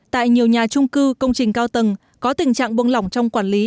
tại nhiều nhà trung cư công trình cao tầng có tình trạng buông lỏng trong quản lý